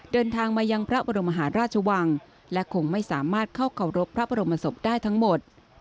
เดินทางมายังพระบรมหาราชวังและคงไม่สามารถเข้าเคารพพระบรมศพได้ทั้งหมด